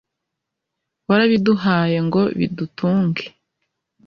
warabiduhaye ngo bidutunge